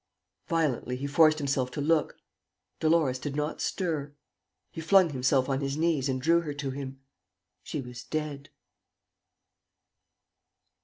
... Violently, he forced himself to look. Dolores did not stir. He flung himself on his knees and drew her to him. She was dead.